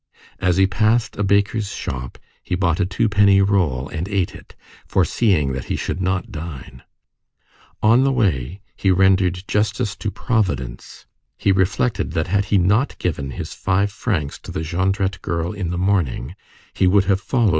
As he passed a baker's shop, he bought a two penny roll, and ate it, foreseeing that he should not dine. On the way, he rendered justice to Providence. He reflected that had he not given his five francs to the Jondrette girl in the morning, he would have followed M.